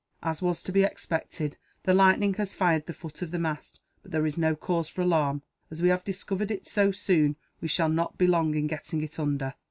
As was to be expected, the lightning has fired the foot of the mast; but there is no cause for alarm. As we have discovered it so soon, we shall not be long in getting it under."